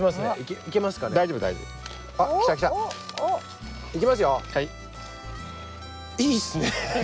いいっすね。